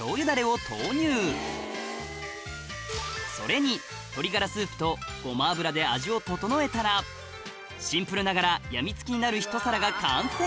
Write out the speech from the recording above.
それに鶏ガラスープとごま油で味を調えたらシンプルながら病みつきになるひと皿が完成